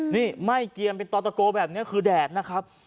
นี่ไหม้เกียมเป็นตอตะโกแบบนี้คือแดดนะครับ